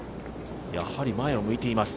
やはり前を向いています。